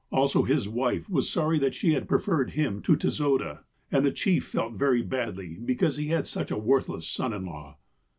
Also his wife was sorry that she had i)referred him to Tezoda, and the chief felt very badly because he had such a worthless son in law.